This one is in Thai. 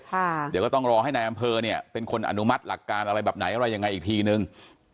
เดี๋ยวก็ต้องรอให้นายอำเภอเนี่ยเป็นคนอนุมัติหลักการอะไรแบบไหนอะไรยังไงอีกทีนึง